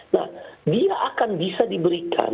nah dia akan bisa diberikan